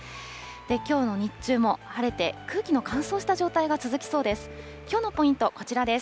きょうの日中も晴れて空気の乾燥した状態が続きそうです。